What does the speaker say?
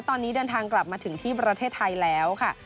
ตอนนี้เดินทางกลับมาถึงที่ประเทศไทยแล้วค่ะ